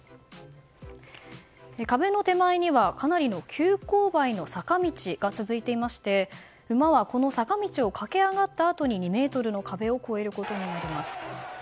壁の手前には、かなりの急勾配の坂道が続いていまして馬は、この坂道を駆け上がったあとに２ｍの壁を越えることになります。